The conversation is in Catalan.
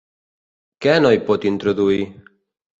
Què no hi pot introduir?